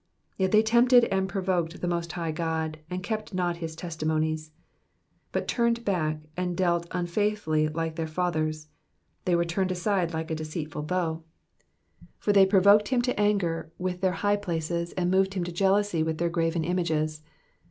56 Yet they tempted and provoked the most high God, and kept not his testimonies : 57 But turned back, and dealt unfaithfully like their fathers : they were turned aside like a deceitful bow. Digitized by VjOOQIC PSALM THE SEVENTY EIGHTH. 447 58 For they provoked him to anger with their high places, and moved him to jealousy with their graven images.